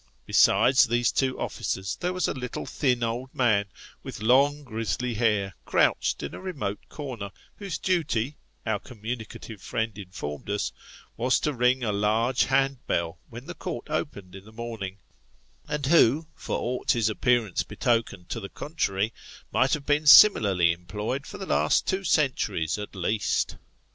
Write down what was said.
Besides these two officers, there was a little thin old man, with long grizzly hair, crouched in a remote corner, whose duty, our com municative friend informed us, was to ring a large hand bell when the Court opened in the morning, and who, for aught his appearance betokened to the contrary, might have been similarly employed for the last two centuries at least.